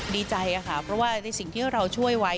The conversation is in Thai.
ดีใจค่ะเพราะว่าในสิ่งที่เราช่วยไว้